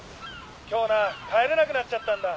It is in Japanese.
今日な帰れなくなっちゃったんだ。